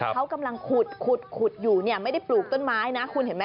เขากำลังขุดขุดอยู่เนี่ยไม่ได้ปลูกต้นไม้นะคุณเห็นไหม